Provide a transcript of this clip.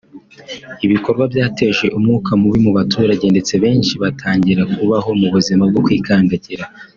ibikorwa byateje umwuka mubi mu baturage ndetse benshi bagatangira kubaho mu buzima bwo kwikandagira